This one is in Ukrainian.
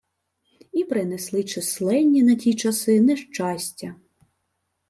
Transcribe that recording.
І принесли численні на ті часи нещастя